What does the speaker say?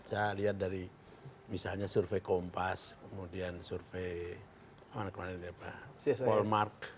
saya lihat dari misalnya survei kompas kemudian survei polmark